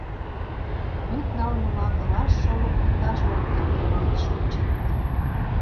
Вӱд налме лакылаш шоло пундаш-влак ямдылалт шинчыныт.